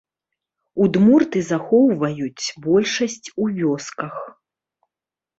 Удмурты захоўваюць большасць у вёсках.